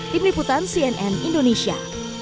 tim liputan cnn indonesia